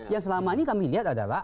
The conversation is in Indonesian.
yang selama ini kami lihat adalah